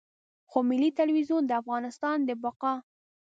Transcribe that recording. خو ملي ټلویزیون د افغانستان د بقا.